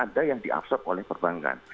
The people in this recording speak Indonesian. ada yang diabsorb oleh perbankan